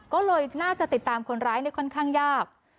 ก็เลยน่าจะติดตามคนร้ายได้ค่อนข้างยาก